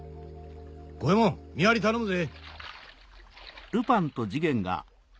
五ヱ門見張り頼むぜ。